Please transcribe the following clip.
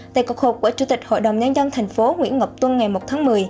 tại cuộc họp của chủ tịch hội đồng nhân dân thành phố nguyễn ngọc tuân ngày một tháng một mươi